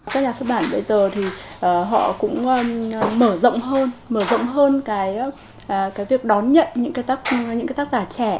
các nhà xuất bản bây giờ thì họ cũng mở rộng hơn cái việc đón nhận những tác giả trẻ